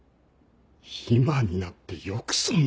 今になってよくそんなことが。